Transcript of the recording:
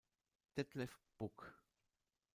Detlef Buck